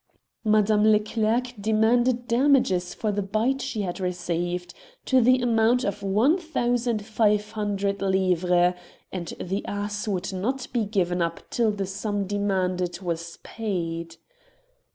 Madame Leclerc demanded damages for the bite she had received, to the amount of 1500 livres, and the ass would not be given up till the sum demanded was paid.